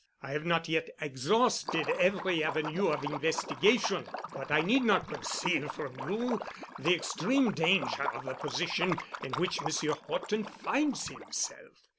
I have not yet exhausted every avenue of investigation, but I need not conceal from you the extreme danger of the position in which Monsieur Horton finds himself.